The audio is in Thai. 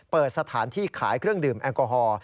เปิดสถานที่ขายเครื่องดื่มแอลกอฮอล์